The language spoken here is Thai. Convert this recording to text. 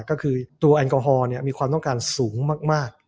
ก็คือตัวแอลกอฮอลมีความต้องการสูงมาก